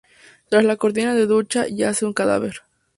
Tras la cortina de la ducha, yace un cadáver.